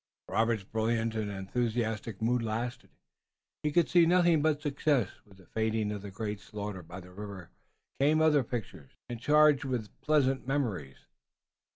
Robert's brilliant and enthusiastic mood lasted. He could see nothing but success. With the fading of the great slaughter by the river came other pictures, deep of hue, intense and charged with pleasant memories.